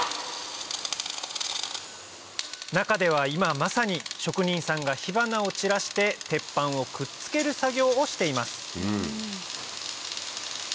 中では今まさに職人さんが火花を散らして鉄板をくっつける作業をしています